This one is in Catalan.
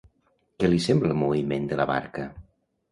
Què li sembla el moviment de la barca?